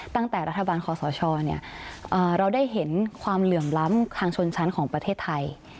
ตั้งแต่รัฐบาลคอสชเราได้เห็นความเหลื่อมล้ำทางชนชั้นของประเทศไทย